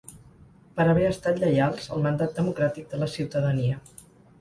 Per haver estat lleials al mandat democràtic de la ciutadania.